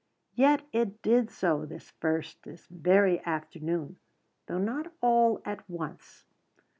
Yet it did so this first, this very afternoon, though not all at once.